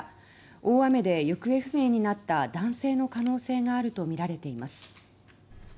大雨で行方不明になった男性の可能性があるとみられています。